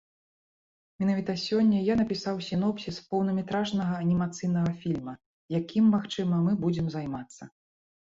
Менавіта сёння я напісаў сінопсіс поўнаметражнага анімацыйнага фільма, якім, магчыма, мы будзем займацца.